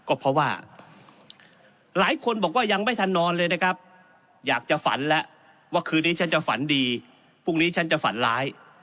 ก็เพราะว่าหลายคนบอกว่ายังไม่ทันนอนเลยนะครับอยากจะฝันแล้วว่าคืนนี้ฉันจะฝันดีพรุ่งนี้ฉันจะฝันร้าย